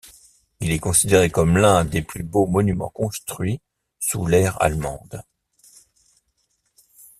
Il est considéré comme l'un des plus beaux monuments construits sous l'ère allemande.